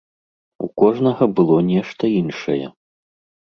У кожнага было нешта іншае.